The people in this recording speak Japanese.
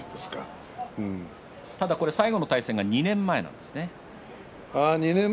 ただ最後の対戦が２年前なんですね。